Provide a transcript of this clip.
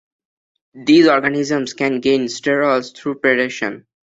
These organisms can gain sterols through predation.